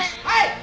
はい！